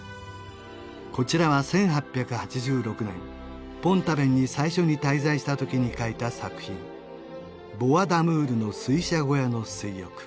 こちらは１８８６年ポン＝タヴェンに最初に滞在した時に描いた作品「ボア・ダムールの水車小屋の水浴」